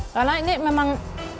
karena ini memang